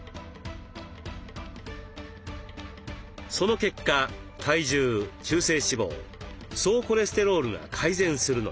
その結果体重中性脂肪総コレステロールが改善するのです。